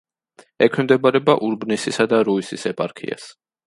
ექვემდებარება ურბნისისა და რუისის ეპარქიას.